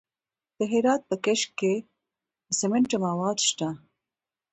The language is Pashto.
د هرات په کشک کې د سمنټو مواد شته.